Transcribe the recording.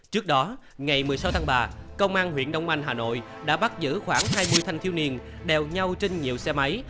trước đó ngày một mươi sáu tháng ba công an huyện đông anh hà nội đã bắt giữ khoảng hai mươi thanh thiếu niên đeo nhau trên nhiều xe máy